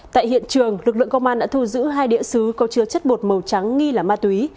tại hiện trường lực lượng công an đã thu giữ hai đĩa xứ có chứa chất bột màu trắng nghi là ma túy